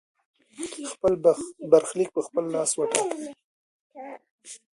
خپل برخليک په خپل لاس وټاکئ.